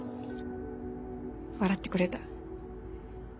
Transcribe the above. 笑ってくれた。